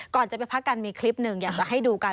ก่อนจะไปพักกันมีคลิปหนึ่งอยากจะให้ดูกัน